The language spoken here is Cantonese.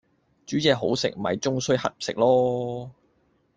煮嘢好食咪終須乞食囉